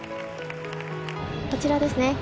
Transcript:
こちらですね